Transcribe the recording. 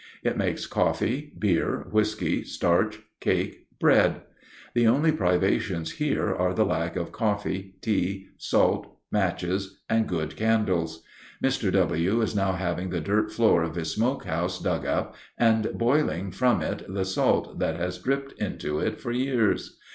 It makes coffee, beer, whisky, starch, cake, bread. The only privations here are the lack of coffee, tea, salt, matches, and good candles. Mr. W. is now having the dirt floor of his smoke house dug up and boiling from it the salt that has dripped into it for years.